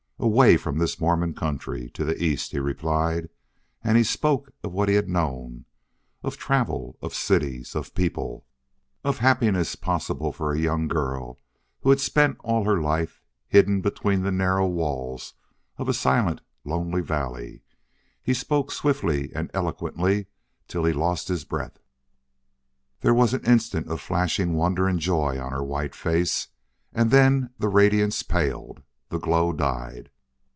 "Away from this Mormon country to the East," he replied, and he spoke of what he had known, of travel, of cities, of people, of happiness possible for a young girl who had spent all her life hidden between the narrow walls of a silent, lonely valley he spoke swiftly and eloquently till he lost his breath. There was an instant of flashing wonder and joy on her white face, and then the radiance paled, the glow died.